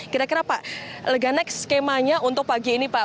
kira kira pak leganek skemanya untuk pagi ini pak